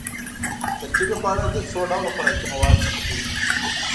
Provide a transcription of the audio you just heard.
ترکیبي خواړه له څو ډوله خوراکي موادو څخه جوړیږي.